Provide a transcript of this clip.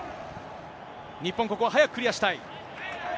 日本、ここは速くクリアしたい。